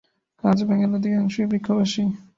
কাচ ব্যাঙের অধিকাংশই বৃক্ষবাসী।